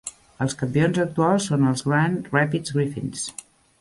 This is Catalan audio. Els campions actuals són els Grand Rapids Griffins.